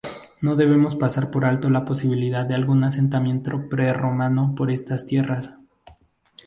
No debemos pasar por alto la posibilidad de algún asentamiento prerromano por estas tierras.